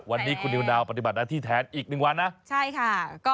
วันนี้คุณิวนาวปฏิบัตินาทีแทนอีก๑วันนะ